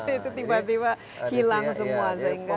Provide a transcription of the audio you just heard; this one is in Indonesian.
itu tiba tiba hilang semua sehingga